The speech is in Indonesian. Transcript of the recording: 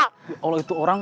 ya allah itu orang